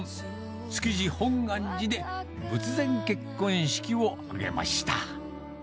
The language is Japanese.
築地本願寺で仏前結婚式を挙げました。